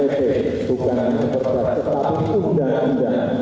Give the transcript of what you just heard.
dengan cara cara yang